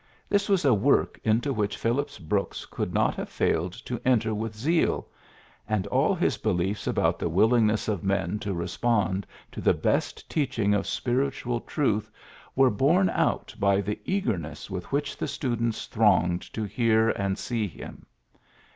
This was a work into which Phillips Brooks could not have failed to enter with zeal ; and all his beliefs about the willingness of men to respond to the best teaching of spiritual truth were borne out by the eagerness with which the students thronged to hear and see him.